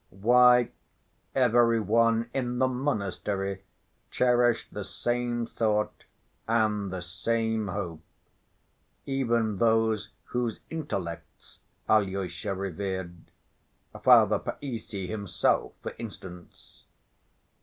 Why, every one in the monastery cherished the same thought and the same hope, even those whose intellects Alyosha revered, Father Païssy himself, for instance.